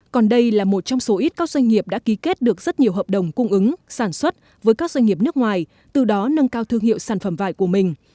còn đây là một trong số ít các doanh nghiệp đã ký kết được rất nhiều hợp đồng cung ứng sản xuất với các doanh nghiệp nước ngoài từ đó nâng cao thương hiệu sản phẩm vải của mình